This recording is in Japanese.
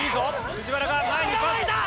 藤原が前にパス。